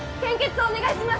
お願いします